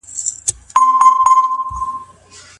امام ابو حنيفه د ښځي استخدام ولي مکروه ګڼلی دی؟